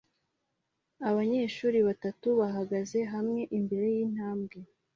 Abanyeshuri batatu bahagaze hamwe imbere yintambwe